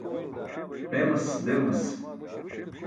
Emas demas.